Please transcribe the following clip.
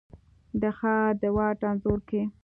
د ښار د واټ انځور کي،